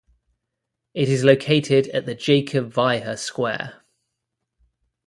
It is located at the Jakub Weiher Square.